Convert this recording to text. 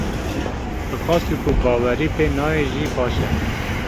Bi qasî ku bawerî pê nayê jî baş e.